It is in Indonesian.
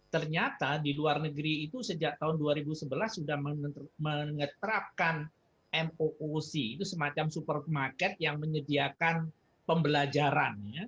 ternyata di luar negeri itu sejak tahun dua ribu sebelas sudah mengeterapkan mooc itu semacam supermarket yang menyediakan pembelajaran ya